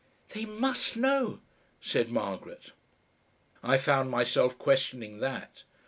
"They MUST know," said Margaret. I found myself questioning that.